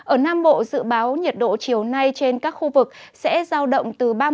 ở nam bộ dự báo nhiệt độ chiều nay trên các khu vực sẽ giao động